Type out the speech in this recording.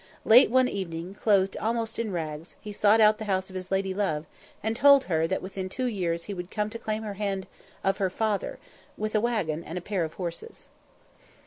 Late one evening, clothed almost in rags, he sought the house of his lady love, and told her that within two years he would come to claim her hand of her father, with a waggon and pair of horses.